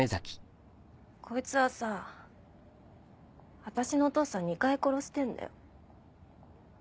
こいつはさ私のお父さん２回殺してんだよ。